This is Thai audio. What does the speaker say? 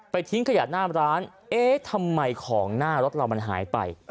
ทิ้งขยะหน้าร้านเอ๊ะทำไมของหน้ารถเรามันหายไป